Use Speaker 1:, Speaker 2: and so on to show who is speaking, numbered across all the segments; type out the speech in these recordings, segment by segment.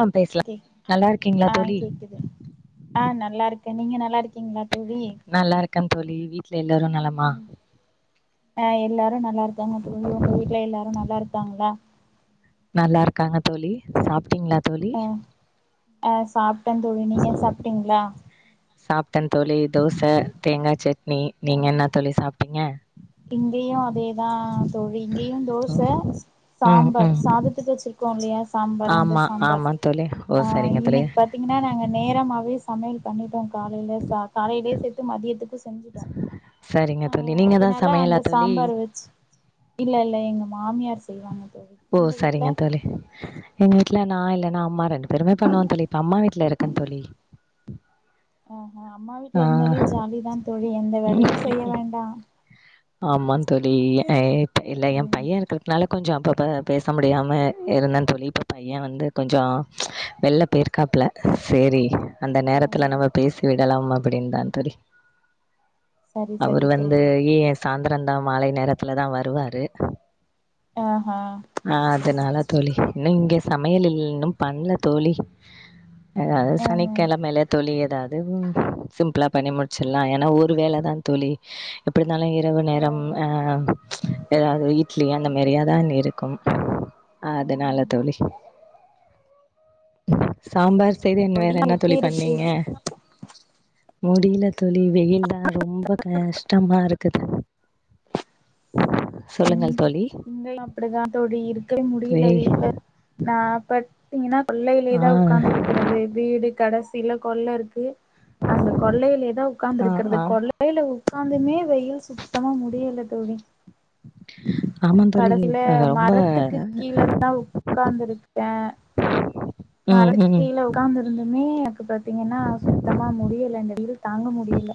Speaker 1: அ பேசலா
Speaker 2: கேக்
Speaker 1: நல்லாருக்கீங்களா
Speaker 2: ஆ
Speaker 1: தோழி
Speaker 2: கேக்குது ஆ நல்லாருக்கே நீங்க நல்லாருக்கீங்களா
Speaker 1: நல்லாருக்க தோழி வீட்ல எல்லாரு நலமா
Speaker 2: ஆ எல்லாரு நல்லா இரு க்காங்க தோழி உங்க வீட்ல எல்லாரு நல்லா இருக்காங்ளா
Speaker 1: நல்லா இருக்காங்க தோலி சாப்டீங்களா
Speaker 2: ஆ ஆ சாப் பட்டந்தோழி நீங்க சாப்டிங்களா
Speaker 1: சாப்டேன் தோலி தோச தேங்கா சட் நீ
Speaker 2: ஆ
Speaker 1: நீங்க என்ன தோலி சாப்டீங்க
Speaker 2: இங்கேயு அதேதா தோழி இங்கேயும் தோச
Speaker 1: ம்
Speaker 2: சாம்பார்
Speaker 1: ம்
Speaker 2: சாதத்துக்கு வச்சிருக்கோம் இல்லையா சாம்பார் அந்த
Speaker 1: ஆமா
Speaker 2: சாம்பார்
Speaker 1: ஆமா தோழி ஓ
Speaker 2: ஆ
Speaker 1: சரிங்க தோழி
Speaker 2: இன்னைக்கு பாத்தீங்கன்னா நாங்க நேரமாவே சமையல் பண்ணிட்டோம் காலையில ச காலையிலேசேத்து மத்தியத்துக்கு
Speaker 1: சேரிங்க தோலி நீங்க தா
Speaker 2: எல்லா
Speaker 1: சமையலா
Speaker 2: அந்த
Speaker 1: தோழி
Speaker 2: சாம்பார் வெச்சி இல்லல்ல எங்க மாமியார் செய்வாங்க தோழி
Speaker 1: ஓ
Speaker 2: உங்க வீட்ல
Speaker 1: சரிங்க தோலி வீட்ல நா இல்லனா அம்மா ரெண்டு பேருமே பண்ணுவே தோலி இப்ப அம்மா வீட்ல இருக்கே தோலி
Speaker 2: ஆஹா அம்மா வீட்ல இருந்தாலே ஜாலி தா தோழி எந்த வேலயு செய்ய வேண்டா
Speaker 1: ஆமாம் தோலி ஏ இல்ல ஏ பையே இருக்கற்துனால கொஞ்ஜோ இப்பதா பேச முடியாம இருந்தே தோழி இப்ப பையே வந்து கொஞ்சோ வெள்ல போயிர்க்காப்பல சேரி அந்த
Speaker 2: ஆ
Speaker 1: நேரத்துல
Speaker 2: ஆ
Speaker 1: நம்ப பேசி கலாம் அப்டின்தா தொளி
Speaker 2: சரி சரி
Speaker 1: அவுரு வந்து
Speaker 2: தோழி
Speaker 1: ஏ எஸ் சாந்தரந்தா மாலை நேரத்துலதா வருவாரு
Speaker 2: ஆஹா
Speaker 1: ஆஹ் அதுனால தோளி நீங்க சமையல் இல் இன்னொ பண்ல தோளி ஆஹ்
Speaker 2: ஆஹா
Speaker 1: சனிக்கெளமைல தோளி ஏதாவது உஹ்ம் சிம்ப்ளா பண்ணி முட்ச்சுலா ஏன்னா ஒரு வேளதா தோளி எப்டிருந்தாலு இ இரவு நேரம் ஆஹ் ஆஹ் இட்லி அந்த மாரி ஆ தான் இருக்கும் ஆஹ்
Speaker 2: ஆஹா
Speaker 1: அதனால தோளி
Speaker 2: சரி
Speaker 1: சாம்பார் செய்து
Speaker 2: ஓகே
Speaker 1: இன் வேற என்ன
Speaker 2: எப்டி
Speaker 1: தோழி
Speaker 2: இருக்கு
Speaker 1: பண்ணீங்க முடியில தோளி வெயில்தா ரொம்ப கஷ்ட்டமா இருக் கு
Speaker 2: உம் இங்கயு அப்டிதா தோழி இருக்கு முடியல
Speaker 1: வே
Speaker 2: வீட்ல நா பட் இங்கன்னா
Speaker 1: ஆ
Speaker 2: கொள்ளையிலேதா ஒக்காந்துருக்கறது வீடு கடஸ் சில கொள்ள இருக்கு அந்த கொள்ளையிலேதா
Speaker 1: ஆ
Speaker 2: ஒக்காந்துருக்கறது
Speaker 1: ஆ
Speaker 2: கொள்ளையில உக் க்காந்துமே வெயில் சுத்தமா முடியல தோழி
Speaker 1: ஆமா தோளி
Speaker 2: கடைசில
Speaker 1: அஹ் ரொம்ப
Speaker 2: மரத்துக்கு கீழதா மர
Speaker 1: ம்
Speaker 2: [inaudible] க்கு
Speaker 1: ம்.
Speaker 2: கீழ உக்காந்துருந்துமே பாத்தீங்கன்னா சுத்தமா முடியல இந்த வெயில் தாங்க முடியல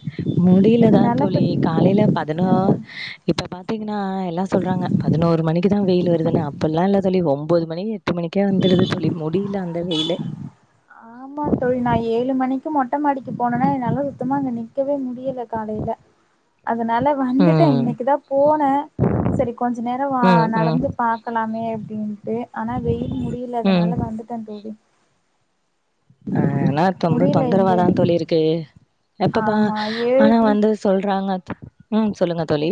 Speaker 1: முடியில தா
Speaker 2: அதனால
Speaker 1: தோளி காலையில பதினோ இப் இப்ப பாத்தீங்கன்னா எல்லா சொல்றாங்க பதினோரு மணிக்குதா வெயில் வருதுன்னு அப்புல்லா இல்ல தொளி ஒன்பது மணி எட்டு மணிக்கே வந்துடுது தொளி முடியில அந்த வெயிலெ
Speaker 2: ஆமா தொழி நா ஏழு மணிக்கு மொட்டமாடிக்கு போனேனா என்னல்லா சுத்தமா அங்க நிக்கவே மு யில காலையில அதனால வந்துட்டே
Speaker 1: ம்.
Speaker 2: இன்னைக்கு தா போனே சரி கொஞ்ச நேர வா
Speaker 1: ம். ம்.
Speaker 2: நடந்து பாகக்கலாமே டின் டியே ஆனா வெயில் முடியில
Speaker 1: ம்.
Speaker 2: அதனால வந்துட தோழி
Speaker 1: ஆஹ் ஏன்னா தொந்த
Speaker 2: முடியல இங்க
Speaker 1: தொந்தரவாதா தோழியிருக்கு எப்பப்ப
Speaker 2: ஆமா ஏழு
Speaker 1: ஆனா வந்து சொல்றாங்க ம் சொல்லுங்க தோழி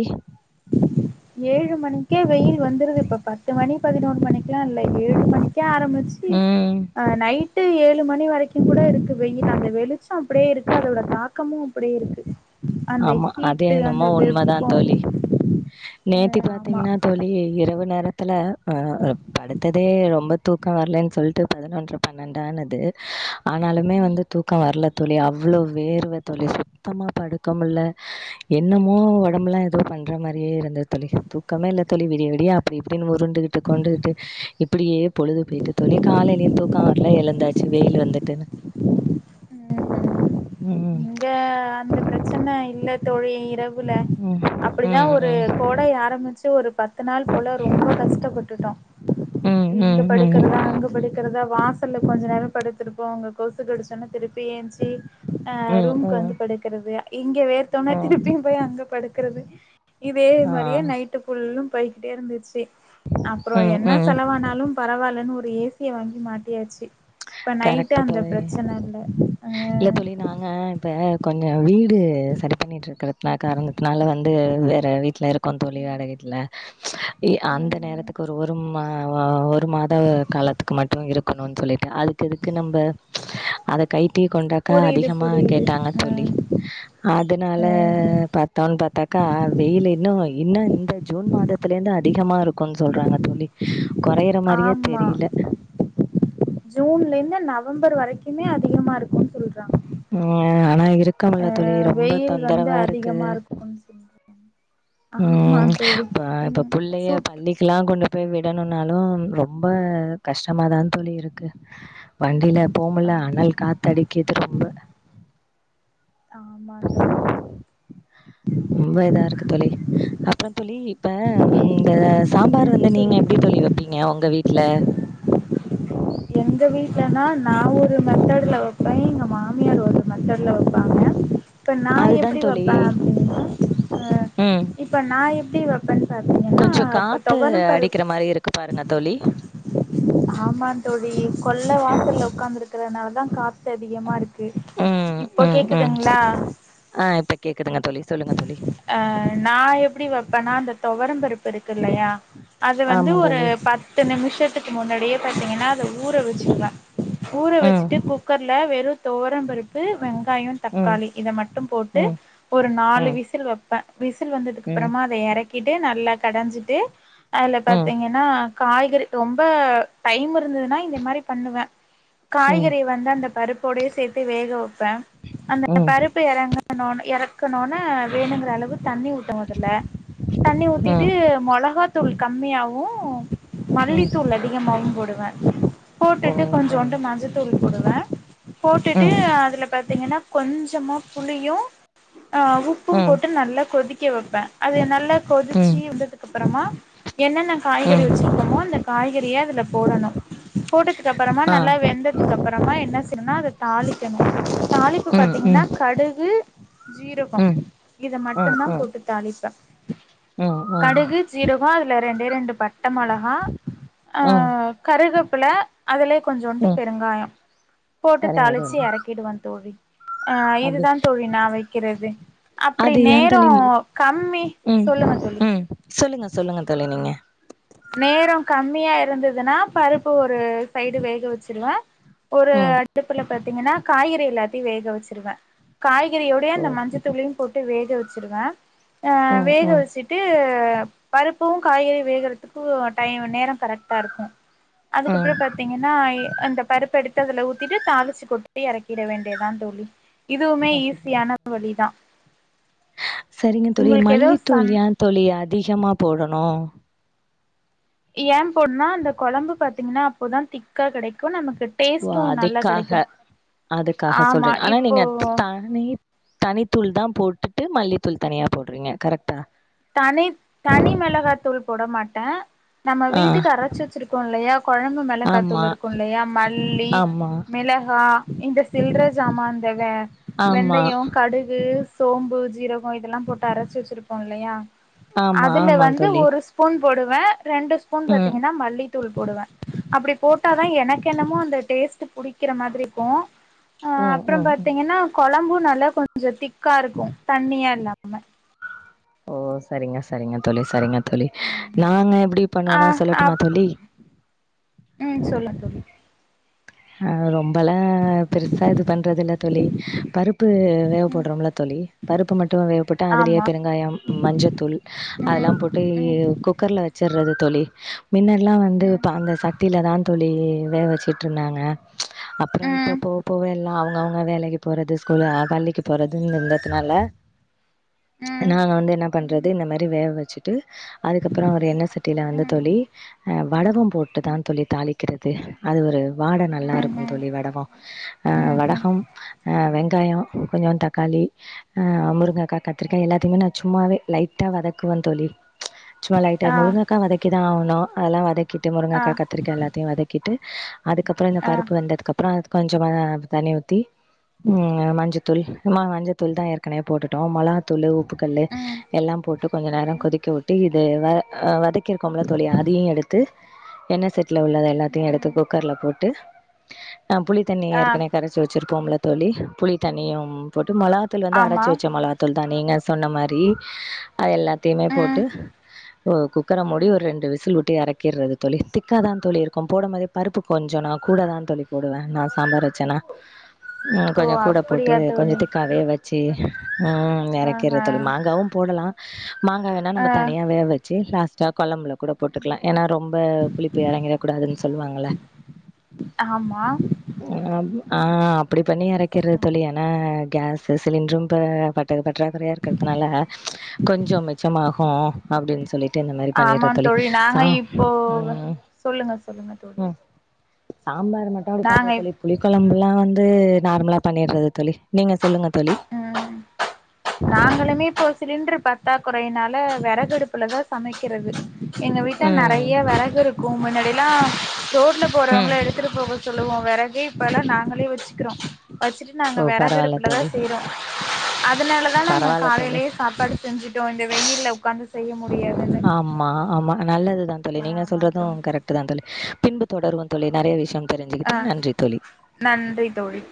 Speaker 2: ஏழு மணிக்கே வெயில் வந்துருது இப்ப பத்து மணி பதினொரு மணிக்க எல்லாம் இல் ஏழு மணிக்கே ஆரம்பிச்சு
Speaker 1: ம்.
Speaker 2: அஹ் நைட்டு [unintelligible] ஏழு மணி வரைக்கும் கூட இருக்கு வெயில் அந்த வெளிச்சம் அப்படியே இருக்கு அதோட தாக்கமும் அப்படியே இருக்கு அந்த
Speaker 1: ஆமா அது
Speaker 2: ஹீட்டு அந்த
Speaker 1: என்னம்மோ
Speaker 2: வெப்போ
Speaker 1: உண்மதான் தோழி
Speaker 2: அ
Speaker 1: நேத்தி
Speaker 2: ஆமா
Speaker 1: பாத்தீங்கன்னா தோழி இரவு [unintelligible] [unintelligible] ஹ படுத்ததே ரொம்ப தூக்கோ வரலன்னு சொல்லிட்டு பதினொன்று பன்னெண்டானது ஆனாலுமே
Speaker 2: ம்
Speaker 1: வந்து தூக்கொ வருல தோழி அவ்வளோ வேறுவ தோழி சுத்தமா படுத் தூக்கம் இல்ல என்னமோ உடம்புலா எதோ பண்ற மாரியே இருந்தது தோழி தூக்கமே இல்லை தோழி விடிய விடிய அப்படி இப்படின்னு உருண்டுகிட்டு கொண்டுகிட்டு இப்படியே பொழுது போட்டு தோழி காலையிலையும் துக் [unintelligible] [unintelligible] எழந்தாச்சு வெயில் வந்துட்டுன்னு
Speaker 2: ம்
Speaker 1: ம்.
Speaker 2: இங்க அந்த [unintelligible] [unintelligible] இல்ல தோழி இரவு
Speaker 1: ம்.
Speaker 2: [unintelligible] அப்படிதான்
Speaker 1: ம்.
Speaker 2: ஒரு
Speaker 1: ம்.
Speaker 2: கோடை ஆரம்பிச்சு ஒரு பத்து நாள் போல ரொம்ப கஷ்டப்பட்டுட்டோ
Speaker 1: ம். ம்.
Speaker 2: இங்க
Speaker 1: ம். ம்.
Speaker 2: படுக்குறதா அங்க படுக்குறதா வாசல்ல கொஞ்சோ நேரம் படுத்திருப்போம் அங்க கொசு கடிச்சோன்னா திருப்பி ஏஞ்சி ஆஹ்
Speaker 1: ம்.
Speaker 2: ரூம்கு
Speaker 1: ம்.
Speaker 2: வந்து படுக்குறது இங்க வேறுத்தோன
Speaker 1: ம்
Speaker 2: திருப்பியும் போய் அங்க படுக்குறுது இதே மாரியே
Speaker 1: ஆ.
Speaker 2: நைட்டு புள்ளும் போய்கிட்டே இருந்துச்சு அப்பறோ
Speaker 1: ம்
Speaker 2: என்ன
Speaker 1: ம்
Speaker 2: செலவானாலும் பரவாயில்லன்னு ஒரு ஒரு ஏசிய வாங்கி மாட்டியாச்சு இப்ப நைட்டு
Speaker 1: கரெக்ட்டு
Speaker 2: அந்த
Speaker 1: தோழி
Speaker 2: பிரச்சன இல்ல அ
Speaker 1: இப்போ கொஞ்சோ வீடு சரி பண்ணிட்டு இருக்கிற ன காரணத்னால வந்து வேற வீட்ல இருக் இருக்கோ தோழி வாடக வீட்ல இ அந்த
Speaker 2: ம் ம்
Speaker 1: நேரத்துக்கு ஒரு ம் வ வ ஒ ஒரு மாத காலத்துக்கு மட்டும் இருக் [unintelligible] சொல்லி [unintelligible] [unintelligible] நம்ப அத கை டி கொண்டாக்கா
Speaker 2: புரியுது
Speaker 1: அதிகமா
Speaker 2: புரியுது
Speaker 1: கேட்டாங்க
Speaker 2: ஆ
Speaker 1: தோழி அதனால பாத்தோன் பாத்தாக்கா வெய்லு இன்னு இன்னு இந்த ஜூன் மாதத்துலேந்து அதிகமா இருக்கூன் சொல்றாங்க தோழி கொறையிற மாரியே தெரியில
Speaker 2: ஜூன்லேந்து நவம்பர் வரைக்குமே அதிகமா இருக்கூன்
Speaker 1: ம் ஆனா இருக்க
Speaker 2: அ
Speaker 1: முல்ல தோழி ரொம்ப
Speaker 2: வெயில் வந்து
Speaker 1: தொந்தரவா இருக்கு
Speaker 2: அதிகமா இருக்கும்னு சொல்றாங்க ஆமா
Speaker 1: ம்
Speaker 2: தோழி எங்
Speaker 1: இப்ப பிள்ளைய
Speaker 2: சுட்
Speaker 1: பள்ளிக்கெலா கொண்டு போய் விடணுனாலு ரொம்ப கஷ்டமாதா தோழி இருக்கு வண்டில போமுல
Speaker 2: ஆமா
Speaker 1: அனல் காத்தடிக்குது ரொம்ப
Speaker 2: ஆமாந்தோழி
Speaker 1: ரொம்ப இதா இருக்கு தோழி அப்ற தோழி இப்ப ம் இந்த சாம்பார்
Speaker 2: ம்
Speaker 1: வந்து நீங்க
Speaker 2: சொல்லுங்க
Speaker 1: எப்டி தோழி வெப்பிங்க உங்க வீட்ல
Speaker 2: எங்க வீட்லனா நா ஒ ரு மெத்தேடுல வெப்பே எங்க மாமியார் ஒரு மெத்தேடுல வெப்பாங்க இப்ப நா
Speaker 1: அதுதா
Speaker 2: எப்டி
Speaker 1: தோழி
Speaker 2: வெப்பே அப்டின்னா
Speaker 1: ம்
Speaker 2: இப்ப நா எ ப்டி வெப்ப பாத்திங்கன்னா
Speaker 1: கொஞ்சோ
Speaker 2: இப்ப
Speaker 1: காத்து
Speaker 2: தொவரம் பருப்
Speaker 1: அடிக்கிற மாரி இருக்கு பாருங்க தோழி
Speaker 2: ஆமா தோழி கொல்ல வாசல்ல உக்காந்துருக்ற அதா காத்து அதிகமா இருக் கு
Speaker 1: ம்
Speaker 2: இப்ப
Speaker 1: ம் ம்
Speaker 2: கேக்குதுங்ளா
Speaker 1: ஆ இப்ப கேக்குதுங்க தோழி சொல்லுங்க தோழி
Speaker 2: அ நா எப்டி வெப்பனா அந்த தொவரம்பருப்பு இருக் கில்லையா அது வந்து
Speaker 1: ஆமா
Speaker 2: ஒரு
Speaker 1: தோழி
Speaker 2: பத்து நிமிஷத்துக்கு முன்னாடியே பாத்திங்கனா அது ஊற வெச்சிருவ ஊர
Speaker 1: ம்
Speaker 2: வெச்சுட்டு குக்கர்ல வெறு தொவரம் பருப்பு வெங் காயொ
Speaker 1: ம்
Speaker 2: தக்காளி இத மட்டு போட்டு
Speaker 1: ம்
Speaker 2: ஒரு
Speaker 1: ம்
Speaker 2: நாலு
Speaker 1: ம்
Speaker 2: விசில் ப விசில்
Speaker 1: ம்
Speaker 2: வந்ததுக்கப்புறமா அத எற க்கிட்டு நல்லா கடஞ்சிட்டு அதுல
Speaker 1: ம்
Speaker 2: பாத்திங்கனா காய்கறி ரொம்ப டைம் இருந்துதுனா இந்த மாரி பண்ணுவ காய்கறிய வந்து அந்த பருப் கொடயே சேத்து வேகவெ பே அந்த
Speaker 1: ம்
Speaker 2: பருப்பு எறங்குன ஒன்னே எற இருக்கணுன வேணுங்கிறளவு தண்ணி ஊத்து மொதல்ல தண்ணி ஊத்திட்டு
Speaker 1: ம்
Speaker 2: மொளகா தூள் கம்மியாவும்
Speaker 1: ம்
Speaker 2: மல்லித்தூள் அதிகமாவும் போடு [unintelligible]
Speaker 1: ஓ
Speaker 2: போட்டுட்டு கொஞ்சோண்டு
Speaker 1: சரிங்க
Speaker 2: மஞ்சத்தூள் போடுவ போட்டுட்டு
Speaker 1: ம்
Speaker 2: அதுல பாத்தீங்கன்னா கொஞ்சமா புளியு ஆ உப்பும்
Speaker 1: ம்
Speaker 2: போட்டு நல்லா கொதிக் க வெப்பே அது நல்லா கொதிச்சு
Speaker 1: ம்
Speaker 2: வந்ததுக்கப்பறமா என்னென்ன காய்கறி
Speaker 1: ம்
Speaker 2: வெச்சிருக்கோமோ அந்த காய்கறிய அதுல போடணு போட்டதுக்கப்பறமா
Speaker 1: ஆ
Speaker 2: நல்லா வெந்ததுக்கப்பறமா என்ன செய்னுனா அது தாளிக்கனு தாளிப்பு
Speaker 1: ம்
Speaker 2: பாத்தீங்கன்னா
Speaker 1: ம் ம்
Speaker 2: கடுகு ஜீரக
Speaker 1: ம் ம்
Speaker 2: இத மட்டுந்தா போட்டு தாளிப்பே
Speaker 1: ம் ம்
Speaker 2: கடுகு சீரகோ அதுல ரெண்டே ரெண்டு பட் ட்ட மொளகா ஆ
Speaker 1: ம்
Speaker 2: கருக ப்புல அதுலயே கொஞ்சோன்டு
Speaker 1: ம்
Speaker 2: பெருங்காயொ போட்டு
Speaker 1: சரிங்க
Speaker 2: தாளிச்சு
Speaker 1: தோழி
Speaker 2: எறக்கிடுவ தோழி ஆ
Speaker 1: அப்டி
Speaker 2: இதுதா தோழி நாவை கிறதே
Speaker 1: அது ஏன் தோழி உம்
Speaker 2: சொல்லுங்க தோழி
Speaker 1: உம் சொல்லுங்க சொல்லுங்க தோழி நீங்க
Speaker 2: நேரம் கம்மியா இருந்ததுன்னா பருப்பு ஒரு சைடு வேக வச்சிருவே ஒரு
Speaker 1: ம்
Speaker 2: அடுப்புல பாத்தீங்கன்னா காய்கறி எல்லாத்தையும் வேக வச்சிருவேன் காய் கறிவோடே அந்த மஞ்சத்தூளையும் போட்டு வேக வச்சிருவேன்
Speaker 1: ம் ம்
Speaker 2: [inaudible] பருப்பு காய்கறியு வேகறது க்கு டைய நேர கரெக்டா இருக்கு அதுக்கப்ற
Speaker 1: ம்
Speaker 2: பாத்திங்கன்னா ஏ அந்த பருப்பு எடுத்து அதுல ஊத்திட்டு தாளிச்சு கொட்டி எறக்கிட வேண்டியதா தோழி இதுமே
Speaker 1: அப்டி
Speaker 2: ஈஸியான வழிதா
Speaker 1: சரிங்க தோழி
Speaker 2: உங்களுக்கு ஏதோ
Speaker 1: மல்லித்தூள்
Speaker 2: சந்
Speaker 1: ஏந்தோழி அ திகமா போடணு
Speaker 2: ஏம் போடுனா அந்த கொழம்பு பாத்திங்னா அப்போதா திக்கா கெடைக்கு நமக்
Speaker 1: ஓ அதுக்காக அதுக்காக
Speaker 2: ஆமா
Speaker 1: சொல்றிங்க ஆனா
Speaker 2: இப்போ
Speaker 1: நீங்க தனி தனி தூள்தா போட்டுட்டு மல்லித்தூள் தனியா போடறிங்க கரெக்டா
Speaker 2: தனி தனி மெளகாத்தூள் போட மாட்ட நம்ம
Speaker 1: ஆ
Speaker 2: வீட்டுக்கு அரைச்சு வச்சிருக்கோ இல்லையா கொழம்பு மெளகாத்தூள்
Speaker 1: ஆமா
Speaker 2: இருக்கு இல்லையா மல்லி
Speaker 1: ஆமா
Speaker 2: மிளகா இந்த சில்ற ஜாமான்ந்தவ
Speaker 1: ஆமா
Speaker 2: வெந்தய கடுகு சோம்பு ஜீரக இதெலா போட்டு அரைச்சு வெச்சுருப்போ இல்லையா
Speaker 1: ஆமா
Speaker 2: அதுல
Speaker 1: ஆமா
Speaker 2: வந்து
Speaker 1: தோழி
Speaker 2: ஒரு ஸ்பூன் போடுவ ரெண்டு ஸ்பூன்
Speaker 1: ம்
Speaker 2: பாத்திங்கனா மல்லி தூள் போடுவ அப்டி போட்டாதா எனக்கென்னமோ அந்த டேஸ்ட் புடிக்கிற மாதிரிக்கு அ
Speaker 1: ம்
Speaker 2: அப்றம்
Speaker 1: ம் ம்
Speaker 2: பாத்திங்கனா கொழம்பு நல்லா கொஞ்ச திக்கா இருக்கு தண்ணியா இல்லாம
Speaker 1: ஓ சரிங்க சரிங்க தோழி சரிங்க தோழி நாங்க எப்டி
Speaker 2: ஆ
Speaker 1: பண்ணுவோனா சொல்லட்டுமா
Speaker 2: அப்
Speaker 1: தோழி
Speaker 2: ம் சொல்லா தோழி
Speaker 1: ஆ ரொம் பெலா பெருசா இது பண்றதில்ல தோழி பருப்பு
Speaker 2: ம்
Speaker 1: வேகப்போடறம்ல தோழி பருப்பு மட்டு வேகப்போட்டா அதுலயே
Speaker 2: ஆமா
Speaker 1: பெருங்காயம் மஞ்சத்தூள் அதெல்லா
Speaker 2: ம்
Speaker 1: போட்டு
Speaker 2: ம்
Speaker 1: குக்கர்ல வெச்சர்றது தோழி மின்னெலா வந்து
Speaker 2: ம்
Speaker 1: இப்ப அந்த சட்டிலதா தோழி வேக வெச்சுட் ருந்தாங்க அப்புற இப்ப
Speaker 2: ம் ம்
Speaker 1: போவ போவ எல்லா அவங்கவங்க வேலைக்கு போறது ஸ்கூலு பள்ளிக்கு போறதுன் இருந்தட்டனால
Speaker 2: ம்
Speaker 1: நாங்க வந்து என்ன பண்றது இந்த மாரி வேக வெச்சிட்டு அதுக்கப்பற ஒரு எண்ணெ சட்டில வந்து
Speaker 2: ம்
Speaker 1: தோழி அ வடகம் போட்டுதா
Speaker 2: ம்ஹும்
Speaker 1: தோழி தாளி க்கிறது அது ஒரு வாட நல்லாருக்குந் தோழி வடக அ
Speaker 2: ம்ஹும்
Speaker 1: வடகம் வெங் தயொ கொஞ்ஜோ தக்காளி ஹா முருங்கக்கா கத்ரிக்கா எல்லாத்தையுமே நா சும்மாவே லைட்டா வதக்குவன் தொழி சும்மா லைட்டா
Speaker 2: ஆ
Speaker 1: முருங்கக்கா வதக்கிதா ஆவணு அதலா வதக் கிட்டு
Speaker 2: ஆ
Speaker 1: முருங்கக்கா கத்தரிக்கா எல்லாத்தையு வதக்கிட்டு அதுக்கப்பறொ இந்த
Speaker 2: ஆ
Speaker 1: பருப்பு வெந்ததுக்கப் ஆத் கொஞ்ஜொ அ தண்ணி ஊத்தி ம் மஞ்சத்தூள் ம மஞ்சத்தூள்தா ஏற்கனே போட்டுட்டோ மொளகாத்தூளு உப் உப்புக்கல்லு
Speaker 2: ம்
Speaker 1: எல்லாம் போட்டு கொஞ்ஜ நேரோ கொதிக்கவுட்டு இது வ அ வதக் கிர்க்கோம்ல அதையு எடுத்து என்ன சர் [unintelligible] ட்ல‌ உள்ளது எல்லாத்தயு எடுத்துக்கோ பொட்டு ஆ புளித்தண்ணிய
Speaker 2: ஆ
Speaker 1: ஏற்கனே கரைச்சு வச்சிரு போம்ல தோழி புளித்தண்ணியும் பொட் மொளகாத்தூள் வந்து
Speaker 2: ஆமா
Speaker 1: அரைச்சு வச்ச மொளகாத்தூள் த நீங்க சொன்ன மாரி ஆ எல்லாத்தயுமே போட்டு
Speaker 2: ம்
Speaker 1: ஓ குக்கர மூடி ஒரு ரெண்டு விசில் விட் ட்டு எறக்கிர்ரது தோழி திக்காதா தோழி இருக்கும் போடும்போதே பருப்பு கொஞ்ஜொ நா கூடதாந்தோழி போடுவே நா சாம்பார் வச்சென்னா அ
Speaker 2: ஓ
Speaker 1: கொஞ்ஜ கூட போட்டு
Speaker 2: அப்படியா
Speaker 1: கொஞ்ஜ
Speaker 2: தோழி
Speaker 1: திக்காவே வச் சே ம் ம்
Speaker 2: ஆஹா
Speaker 1: எரெக்கிறது மாங்காவு போடலா [inaudible] மாங்காயனா
Speaker 2: ஆ
Speaker 1: நாம தனியா வேவச்சி லாஸ் தா கொழம்புல கூட போட்டுக்கலா ஏன்னா ரொம்ப புளிப்பு இறங்கிட குடாதுன் சொல்லுவாங்கள
Speaker 2: ஆமா
Speaker 1: அ ஆம் ஆ அப்படி பண்ணி எறக்கிற்றது தோழி ஏன்னா கேஸ் த சிலிண்ரும் ப பட்டகப் பட் ட்ரேபெரியா இருக்றதுனால கொஞ்ஜொ மிச்சமாகூ அப்டின்னு சொல்லிட்டு இந்த மாரி
Speaker 2: ஆமா
Speaker 1: பண்ணிட்ற தொழி
Speaker 2: தோழி நாங்க
Speaker 1: ச
Speaker 2: இப்போ
Speaker 1: ம்
Speaker 2: சொல்லுங்க சொல்லுங்க தோழி
Speaker 1: சம்பார் மட்ட
Speaker 2: நாங்க இப்
Speaker 1: [unintelligible] புளிக்கொழம்புலா வந் வந்து நார்மலாக பண்ணிடுறது தோழி நீங்கள் சொல்லுங்கள் தோழி
Speaker 2: ம் நாங்களுமே இப்போ சிலிண்டர் பத்தா குறையினால விறகுடுப்புலதா சமைக்கிறது எங்க வீட்ட
Speaker 1: ம்
Speaker 2: நெறைய வெறகு இருக்கு முன்னாடி [unintelligible] ரோட்ல
Speaker 1: ம்
Speaker 2: போறவங்கள எடுத்துட்டு போக சொல்லுவோ வெறகு இப்பலா நாங்களே வச்சுக்கிறோ வச்சுட்டு நாங்க
Speaker 1: ஓ பரவால்ல
Speaker 2: வெறகுடுப்புல தா
Speaker 1: தோழி.
Speaker 2: செய்றோ அதனால தா நாங்க
Speaker 1: பரவால்ல தோழி.
Speaker 2: காலைலேயே சாப்பாடு செஞ்சுட்டோ இந்த வெயில உக்காந்து செய்ய முடியாதுன்னு
Speaker 1: தான் தோழி நீங்க
Speaker 2: ஆமா
Speaker 1: சொல்றது
Speaker 2: தோழி
Speaker 1: கரெ்ட்டு தா தோழி பின்பு தொடர்வோ தோழி நெறைய விஷ்யோ
Speaker 2: ஆ
Speaker 1: தெரிஞ்சுக்கிட்டே நன்றி தோழி
Speaker 2: நன்றி தோழி